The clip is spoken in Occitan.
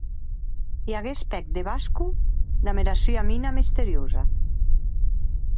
E aguest pèc de Vasco, damb era sua mina misteriosa!